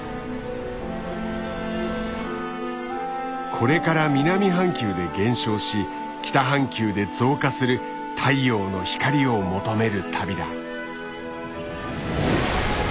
これから南半球で減少し北半球で増加する太陽の光を求める旅だ。